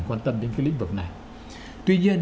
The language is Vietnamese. quan tâm đến cái lĩnh vực này tuy nhiên